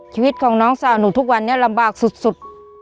ชีวิตของน้องสาวหนูทุกวันนี้ลำบากสุด